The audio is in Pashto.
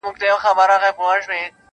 o ما ته سپي ؤ په ژوندینه وصیت کړی,